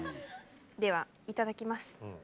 ではいただきます。